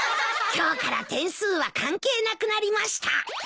今日から点数は関係なくなりました。